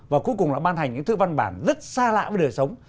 và cuối cùng là ban hành những thứ văn bản rất xa lạ với đời sống